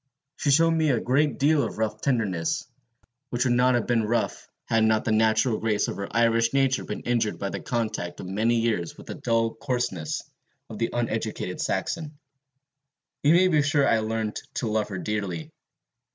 She showed me a great deal of rough tenderness, which would not have been rough had not the natural grace of her Irish nature been injured by the contact of many years with the dull coarseness of the uneducated Saxon. You may be sure I learned to love her dearly.